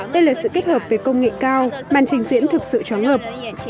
đây là sự kết hợp với công nghệ cao màn trình diễn thực sự tróng ngợp